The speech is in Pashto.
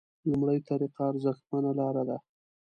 لومړۍ طریقه ارزښتمنه لاره ده.